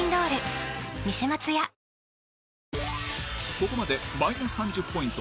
ここまでマイナス３０ポイント